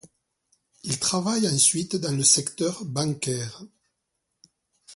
Il travaille ensuite dans le secteur bancaire.